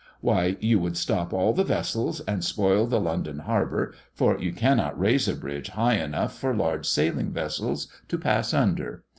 Why you would stop all the vessels, and spoil the London harbour, for you cannot raise a bridge high enough for large sailing vessels to pass under.